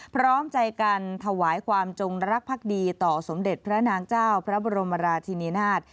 พร้อมใจกันถวายความจงรักภักดีต่อสมเด็จพระนางเจ้าพระบรมราชินินาศ